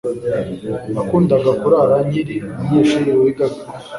Nakundaga kurara nkiri umunyeshuri wigaga